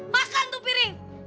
masakan tuh piring